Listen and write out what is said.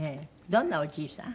どんなおじいさん？